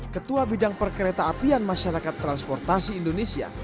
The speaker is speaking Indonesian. ketua bidang perkereta apian masyarakat transportasi indonesia